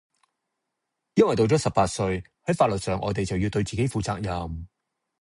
因為到咗十八歲，係法律上我地就要對自己負責任